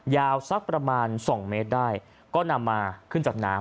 ยาวสักประมาณ๒เมตรได้ก็นำมาขึ้นจากน้ำ